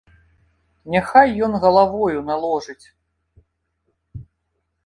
Няхай ён галавою наложыць.